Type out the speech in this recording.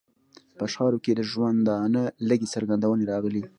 په اشعارو کې یې د ژوندانه لږې څرګندونې راغلې.